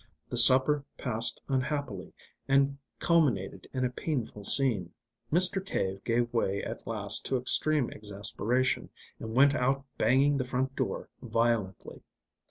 The supper passed unhappily and culminated in a painful scene. Mr. Cave gave way at last to extreme exasperation, and went out banging the front door violently.